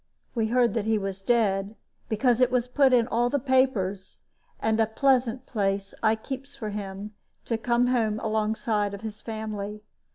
We heard that he was dead, because it was put in all the papers; and a pleasant place I keeps for him, to come home alongside of his family.